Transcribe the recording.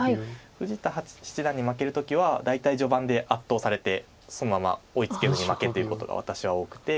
富士田七段に負ける時は大体序盤で圧倒されてそのまま追いつけずに負けということが私は多くて。